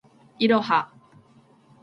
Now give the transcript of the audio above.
いろは